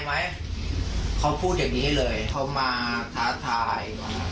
คนเจ็บหรือคนตาย